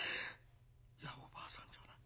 いやおばあさんじゃない。